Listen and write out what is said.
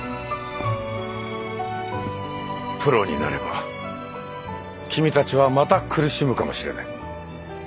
プロになれば君たちはまた苦しむかもしれない。